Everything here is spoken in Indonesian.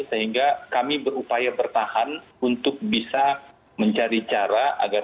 sehingga kami berupaya bertahan untuk bisa mencari cara agar kita bisa mengembangkan diri